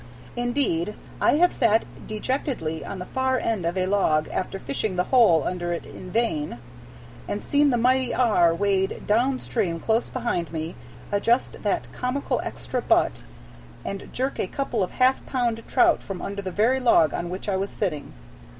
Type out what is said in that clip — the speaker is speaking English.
Indeed, I have sat dejectedly on the far end of a log, after fishing the hole under it in vain, and seen the mighty R. wade downstream close behind me, adjust that comical extra butt, and jerk a couple of half pound trout from under the very log on which I was sitting.